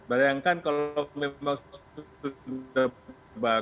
bayangkan kalau memang sudah berubah